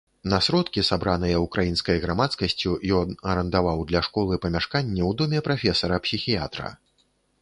На сродкі, сабраныя ўкраінскай грамадскасцю, ён арандаваў для школы памяшканне ў доме прафесара-псіхіятра.